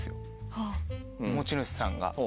持ち主さんが。ほぉ。